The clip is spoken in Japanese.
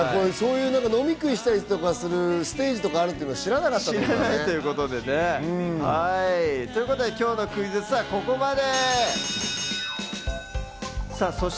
飲み食いしたりとかするステージとかあるところを知らなかったのということで今日のクイズッスはここまで。